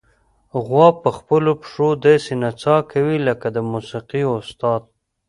غوا په خپلو پښو داسې نڅا کوي لکه د موسیقۍ استاد.